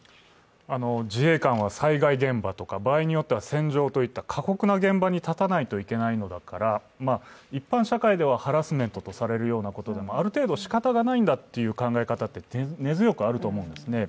自衛官は災害現場とか、場合によっては戦場とか過酷な現場に立たないといけないことから一般社会ではハラスメントとされるようなことでもある程度しかたがないんだという考え方は根強くあると思うんです。